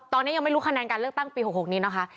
ตอนนี้ยังไม่รู้คะแนนการเลือกตั้งปี๖๖นี้นะคะ